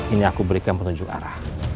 ini aku berikan petunjuk arah